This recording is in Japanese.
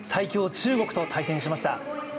・中国と対戦しました。